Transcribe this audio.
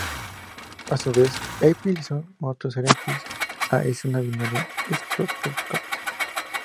A su vez, Épsilon Monocerotis A es una binaria espectroscópica.